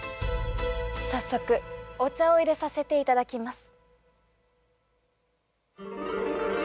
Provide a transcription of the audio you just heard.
早速お茶を入れさせていただきます。